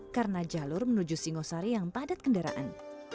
karena jalur menuju singosari yang padat kendaraan